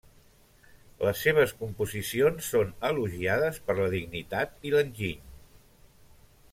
Les seves composicions són elogiades per la dignitat i l'enginy.